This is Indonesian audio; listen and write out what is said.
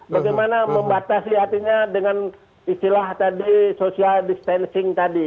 bagaimana membatasi artinya dengan istilah tadi social distancing tadi